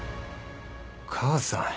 母さん。